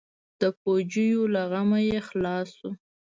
د پوجيو له غمه چې خلاص سو.